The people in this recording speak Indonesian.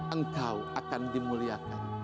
engkau akan dimuliakan